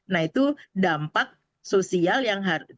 nah itu dampak sosial yang harus